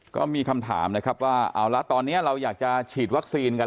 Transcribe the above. ก็มีคำถามนะครับว่าเอาละตอนนี้เราอยากจะฉีดวัคซีนกัน